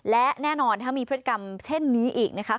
และแน่นอนถ้ามีพฤติกรรมเช่นนี้อีกนะคะ